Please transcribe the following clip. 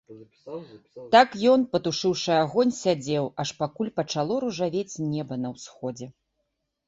Так ён, патушыўшы агонь, сядзеў, аж пакуль пачало ружавець неба на ўсходзе.